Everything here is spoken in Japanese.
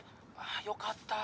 よかったー。